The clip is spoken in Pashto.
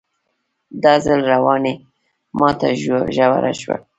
دا ځل رواني ماته ژوره شوه